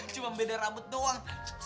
cuma beda rambut doang